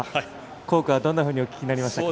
校歌はどんなふうにお聴きになりましたか？